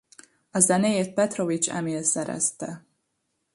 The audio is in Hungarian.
A zenéjét Petrovics Emil szerezte.